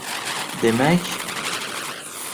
Demak